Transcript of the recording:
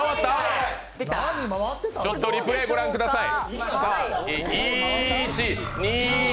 ちょっとリプレイ、ご覧ください。